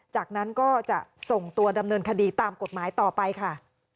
จากนั้นก็จะส่งตัวดำเนินคดีตามกฎหมายต่อไปค่ะ